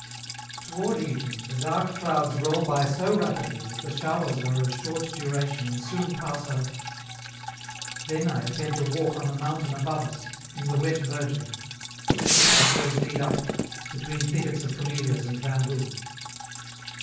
Toward evening the dark clouds roll by so rapidly that the showers are of short duration and soon pass over. Then I attempt a walk on the mountain above us, in the wet verdure: little pathways lead up it, between thickets of camellias and bamboo.